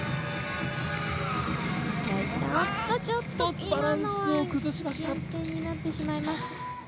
あっと、ちょっと今のは減点になってしまいます。